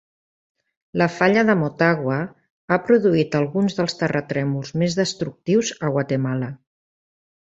La falla de Motagua ha produït alguns dels terratrèmols més destructius a Guatemala.